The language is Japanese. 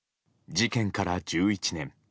事件から１１年。